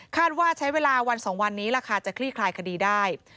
ว่าใช้เวลาวัน๒วันนี้ราคาจะคลี่คลายคดีได้